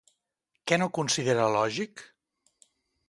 Què no considera lògic?